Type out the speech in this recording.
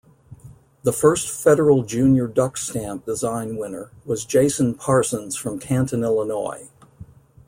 The first Federal Junior Duck Stamp design winner was Jason Parsons from Canton, Illinois.